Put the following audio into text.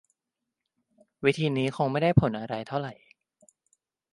วิธีนี้คงไม่ได้ผลอะไรเท่าไหร่